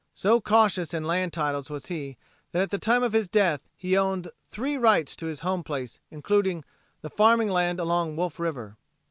So cautious in land titles was he that at the time of his death he owned three rights to his home place including the farming land along Wolf River.